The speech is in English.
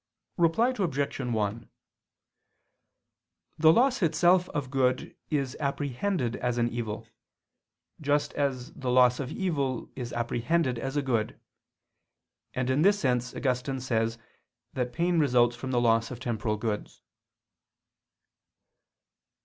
Reply Obj. 1: The loss itself of good is apprehended as an evil, just as the loss of evil is apprehended as a good: and in this sense Augustine says that pain results from the loss of temporal goods.